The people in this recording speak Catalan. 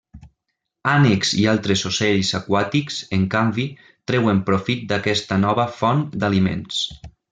Ànecs i altres ocells aquàtics, en canvi, treuen profit d'aquesta nova font d'aliments.